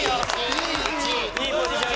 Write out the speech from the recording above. いいポジション！